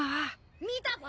見たぞ！